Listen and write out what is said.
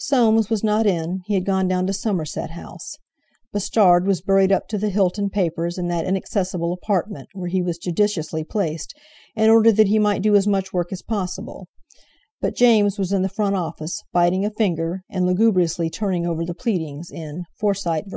Soames was not in, he had gone down to Somerset House; Bustard was buried up to the hilt in papers and that inaccessible apartment, where he was judiciously placed, in order that he might do as much work as possible; but James was in the front office, biting a finger, and lugubriously turning over the pleadings in Forsyte v.